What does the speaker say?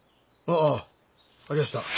ああありやした。